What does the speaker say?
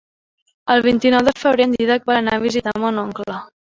El vint-i-nou de febrer en Dídac vol anar a visitar mon oncle.